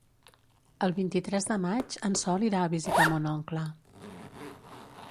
El vint-i-tres de maig en Sol irà a visitar mon oncle.